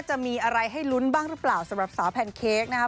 จะมีอะไรให้ลุ้นบ้างหรือเปล่าสำหรับสาวแพนเค้กนะครับ